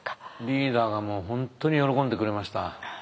リーダーがもう本当に喜んでくれました。